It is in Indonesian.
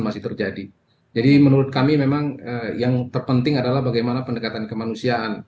masih terjadi jadi menurut kami memang yang terpenting adalah bagaimana pendekatan kemanusiaan